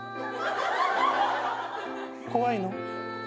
怖いの？